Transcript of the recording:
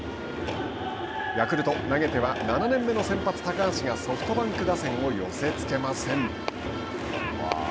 ヤクルト、投げては７年目の先発高橋がソフトバンク打線を寄せつけません。